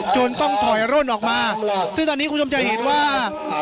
จนต้องถอยร่นออกมาซึ่งตอนนี้คุณผู้ชมจะเห็นว่า